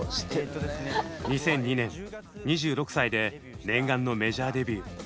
２００２年２６歳で念願のメジャーデビュー。